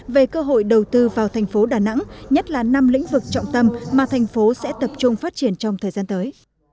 về cơ hội đầu tư vào thành phố đà nẵng nhất là năm lĩnh vực trọng tâm mà thành phố sẽ tập trung phát triển trong thời gian tới